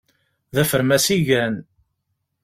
D afermas i gan.